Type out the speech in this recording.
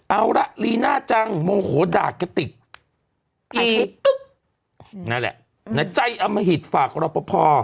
เอาล่ะลีน่าจังโมโหดากกะติกอีตุ๊กนั่นแหละในใจอมหิตฝากเราพอพอ